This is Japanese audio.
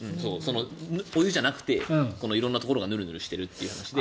お湯じゃなくて、色んなところがヌルヌルしているという話で。